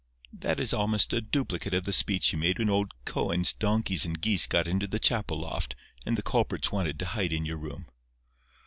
That is almost a duplicate of the speech you made when old Koen's donkeys and geese got into the chapel loft, and the culprits wanted to hide in your room."